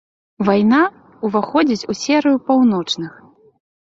Вайна ўваходзіць у серыю паўночных.